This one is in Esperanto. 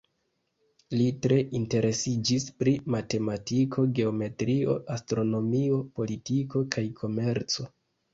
Li tre interesiĝis pri matematiko, geometrio, astronomio, politiko, kaj komerco.